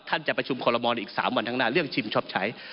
จะประชุมคอลโมในอีก๓วันข้างหน้าเรื่องชิมชอบใช้